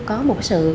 có một sự